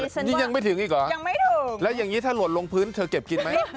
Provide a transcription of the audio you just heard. นี่ยังไม่ถึงอีกเหรอแล้วอย่างนี้ถ้าหลวนลงพื้นเธอเก็บกินมั้ยยังไม่ถึง